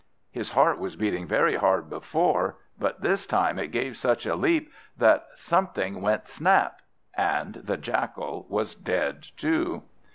His heart was beating very hard before, but this time it gave such a leap that something went snap! And the Jackal was dead too.